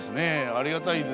ありがたいですね。